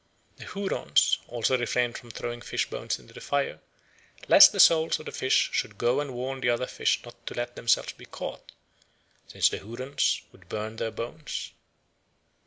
The Hurons also refrained from throwing fish bones into the fire, lest the souls of the fish should go and warn the other fish not to let themselves be caught, since the Hurons would burn their bones.